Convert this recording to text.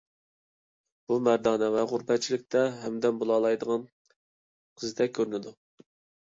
بۇ مەردانە ۋە غۇربەتچىلىكتە ھەمدەم بولالايدىغان قىزدەك كۆرۈنىدۇ.